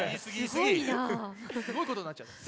すごいことになっちゃって。